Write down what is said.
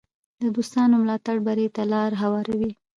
د دوستانو ملاتړ بری ته لار هواروي.